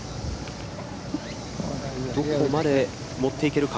どこまで持っていけるか。